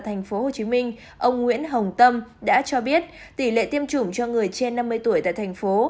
tp hcm ông nguyễn hồng tâm đã cho biết tỉ lệ tiêm chủng cho người trên năm mươi tuổi tại thành phố